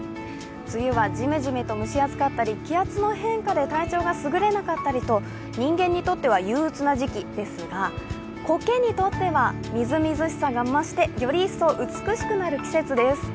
梅雨はジメジメと蒸し暑かったり気圧の変化で体調がすぐれなかったりと人間にとっては憂うつな時季ですが、苔にとってはみずみずしさが増してより一層美しくなる季節です。